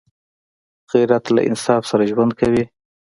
غیرت له انصاف سره ژوند کوي